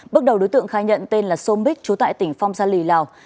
bước đầu đối tượng khai nhận tên là som bích trú tại tỉnh phong sa lì lào